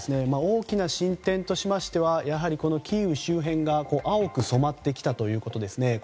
大きな進展としましてはキーウ周辺が青く染まってきたということですね。